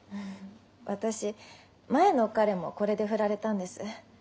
私前の彼もこれで振られたんです。